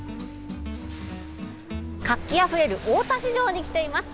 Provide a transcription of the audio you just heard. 活気あふれる大田市場に来ています。